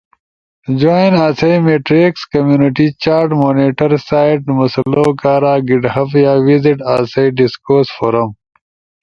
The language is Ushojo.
جوائن آسئی میٹریکس کمیونٹی چاٹ مونیٹر سائیڈ مسلؤ کارا گیٹ ہب یا ویزٹ آسئی ڈیسکورس فورم